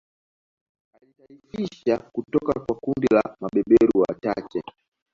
Aliitaifisha kutoka kwa kundi la mabeberu wachache